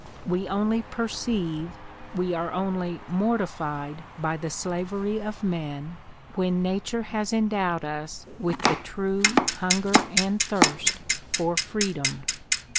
We only per ceive, we are only mortified by the slavery of men, when nature has endowed us with the true hunger and thirst for freedom.